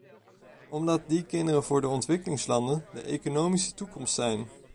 Omdat die kinderen voor de ontwikkelingslanden de economische toekomst zijn.